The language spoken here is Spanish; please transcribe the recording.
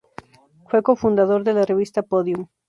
Fue cofundador de la revista "Podium".